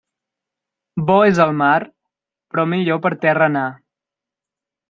Bo és el mar, però millor per terra anar.